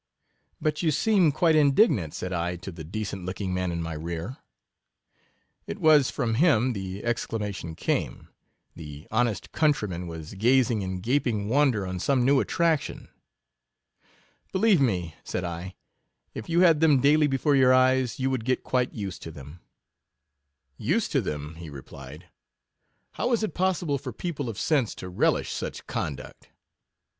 But you seem quite indignant, said J, to the decent looking man in my rear. It was from him the exclamation came: the honest countryman was gazing in gaping wonder on some new attraction. Believe me, said I, if you had them daily before your eyes, you would get quite used to them. Used to them, replied 21 he; how is it possible for people of sense to relish such conduct?